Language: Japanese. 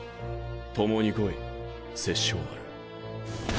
共に来い殺生丸。